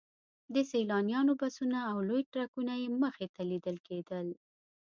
د سیلانیانو بسونه او لوی ټرکونه یې مخې ته لیدل کېدل.